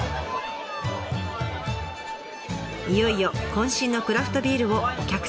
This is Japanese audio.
いよいよ渾身のクラフトビールをお客さんにサーブ。